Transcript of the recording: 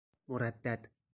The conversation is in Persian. مردد